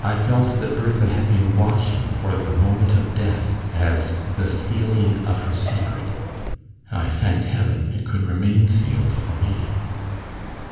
I felt that Bertha had been watching for the moment of death as the sealing of her secret: I thanked Heaven it could remain sealed for me.